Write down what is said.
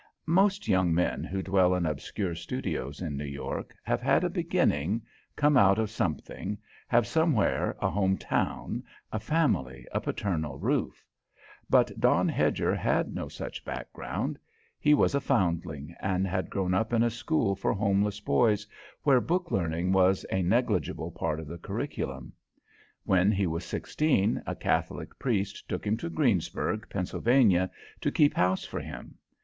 Most young men who dwell in obscure studios in New York have had a beginning, come out of something, have somewhere a home town, a family, a paternal roof. But Don Hedger had no such background. He was a foundling, and had grown up in a school for homeless boys, where book learning was a negligible part of the curriculum. When he was sixteen, a Catholic priest took him to Greensburg, Pennsylvania, to keep house for him.